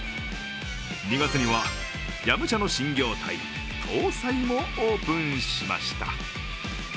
２月には、ヤムチャの新業態桃菜もオープンしました。